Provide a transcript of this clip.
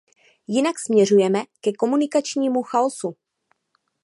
Jinak směřujeme ke komunikačnímu chaosu.